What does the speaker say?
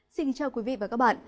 xin chào quý vị và các bạn